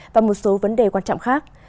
và một số vấn đề quan trọng khác